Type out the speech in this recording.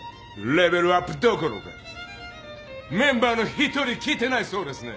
レベルアップどころかメンバーの一人来てないそうですね。